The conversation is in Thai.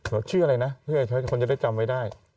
บล็อกชื่ออะไรนะเพื่อให้คนจะได้จำไว้ได้